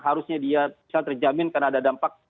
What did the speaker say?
harusnya dia bisa terjamin karena ada dampak